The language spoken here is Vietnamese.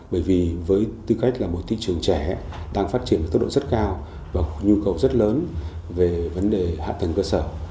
bởi vì với tư cách là một thị trường trẻ đang phát triển với tốc độ rất cao và một nhu cầu rất lớn về vấn đề hạ tầng cơ sở